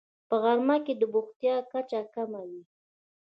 په غرمه کې د بوختیا کچه کمه وي